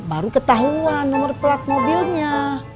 baru ketahuan nomor plat mobilnya